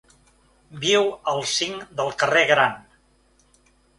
Viu al cinc del carrer Gran.